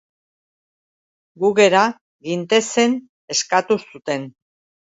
Gu gera gintezen eskatu zuten.